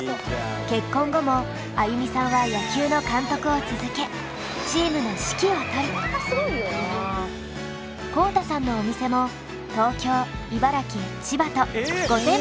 結婚後も安祐美さんは野球の監督を続けチームの指揮を執り公太さんのお店も東京茨城千葉とえっすごいやん！